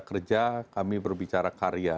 kerja kami berbicara karya